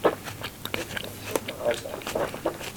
Ad d-taseḍ neɣ ala?